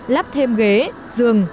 lắp thêm ghế giường